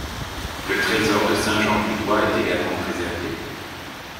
Le trésor de Saint-Jean-du-Doigt est également préservé.